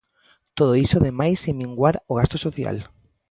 Todo iso ademais sen minguar o gasto social.